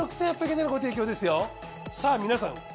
さあ皆さん